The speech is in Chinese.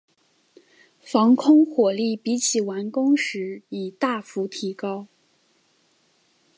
防空火力比起完工时已大幅提高。